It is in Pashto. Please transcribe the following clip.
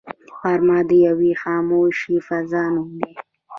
غرمه د یوې خاموشې فضا نوم دی